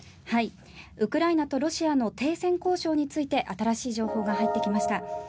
ウクライナとロシアの停戦交渉について新しい情報が入ってきました。